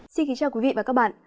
xin kính chào quý vị và các bạn